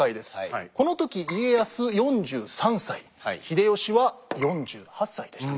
この時家康４３歳秀吉は４８歳でした。